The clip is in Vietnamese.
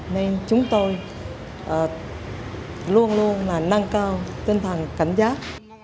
nên chúng tôi luôn luôn là nâng cao tinh thần cảnh giác